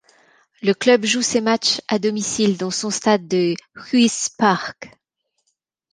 Le club joue ses matchs à domicile dans son stade de l'Huish Park.